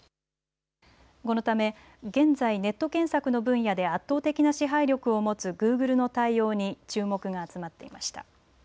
このため、現在ネット検索の分野で圧倒的な支配力を持つグーグルの対応に注目が集まっていました。